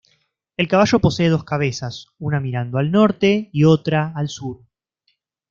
El caballo posee dos cabezas, una mirando al norte y otra al sur.